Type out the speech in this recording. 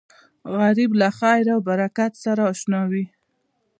غریب له خیر او برکت سره اشنا وي